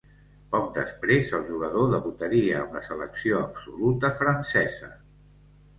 Poc després el jugador debutaria amb la selecció absoluta francesa.